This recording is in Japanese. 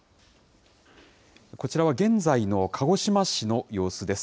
こちらは現在の鹿児島市の様子です。